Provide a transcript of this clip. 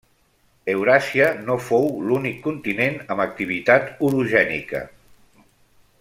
Euràsia no fou l'únic continent amb activitat orogènica.